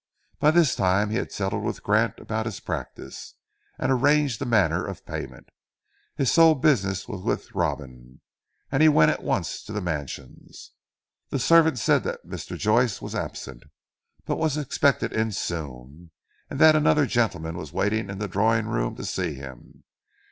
By this time he had settled with Grant about his practice, and arranged the manner of payment. His sole business was with Robin, and he went at once to the Mansions. The servant said that Mr. Joyce was absent, but was expected in soon, and that another gentleman was waiting in the drawing room to see him.